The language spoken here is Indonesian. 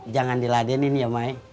jangan diladenin ya mai